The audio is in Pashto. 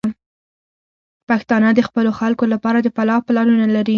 پښتانه د خپلو خلکو لپاره د فلاح پلانونه لري.